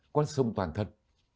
con sông toàn thân